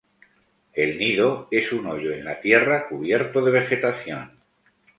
El nido es un hoyo en la tierra cubierto de vegetación.